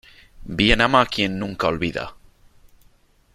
Bien ama quien nunca olvida.